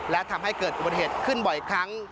และทำให้เกิดอุบัติเหตุขึ้นบ่อยครั้ง